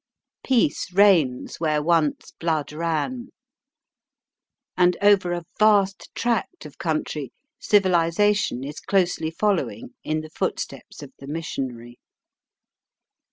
Peace reigns where once blood ran, and over a vast tract of country civilisation is closely following in the footsteps of the missionary.